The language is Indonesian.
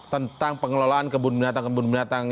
tentang pengelolaan kebun binatang